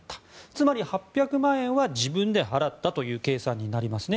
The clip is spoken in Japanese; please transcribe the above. つまり、８００万円は自分で払った計算になりますね。